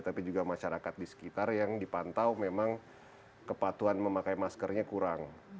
tapi juga masyarakat di sekitar yang dipantau memang kepatuhan memakai maskernya kurang